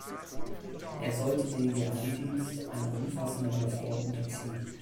Er sollte den Geheimdienst einer umfassenden Reform unterziehen.